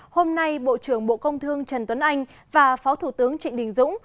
hôm nay bộ trưởng bộ công thương trần tuấn anh và phó thủ tướng trịnh đình dũng